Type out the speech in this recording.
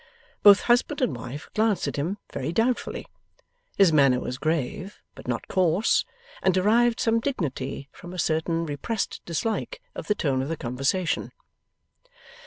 Both husband and wife glanced at him, very doubtfully. His manner was grave, but not coarse, and derived some dignity from a certain repressed dislike of the tone of the conversation.